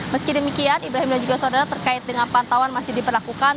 meski demikian ibrahim dan juga saudara terkait dengan pantauan masih diperlakukan